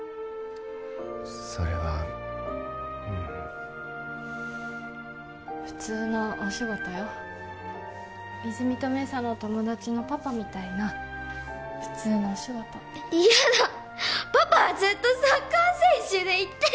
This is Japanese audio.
それはうん普通のお仕事よ泉実と明紗のお友達のパパみたいな普通のお仕事嫌だパパはずっとサッカー選手でいて！